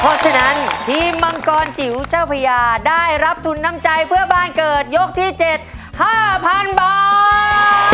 เพราะฉะนั้นทีมมังกรจิ๋วเจ้าพญาได้รับทุนน้ำใจเพื่อบ้านเกิดยกที่๗๕๐๐๐บาท